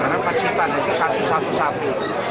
karena pencetan kasus satu sapi